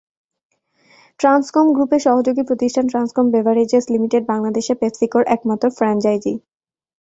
ট্রান্সকম গ্রুপের সহযোগী প্রতিষ্ঠান ট্রান্সকম বেভারেজেস লিমিটেড বাংলাদেশে পেপসিকোর একমাত্র ফ্র্যাঞ্চাইজি।